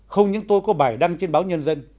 không những tôi có bài đăng trên báo nhân dân